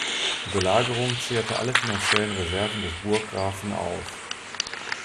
Die Belagerung zehrte alle finanziellen Reserven des Burggrafen auf.